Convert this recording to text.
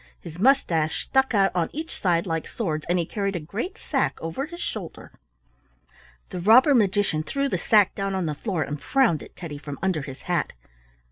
His mustache stuck out on each side like swords, and he carried a great sack over his shoulder. The robber magician threw the sack down on the floor and frowned at Teddy from under his hat.